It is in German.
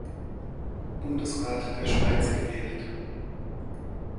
Bundesrat der Schweiz gewählt.